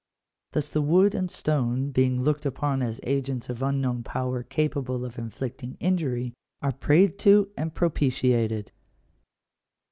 Thus the wood and stone, being looked upon as agents of unknown power capable of inflicting injury, are prayed to and propitiated.